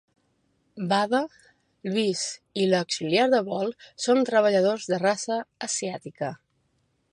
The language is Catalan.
Wada, Louis i l'auxiliar de vol són treballadors de raça asiàtica.